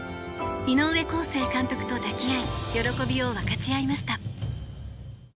井上康生監督と抱き合い喜びを分かち合いました。